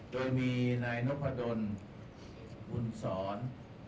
โดยมีนายนพดลบุญศร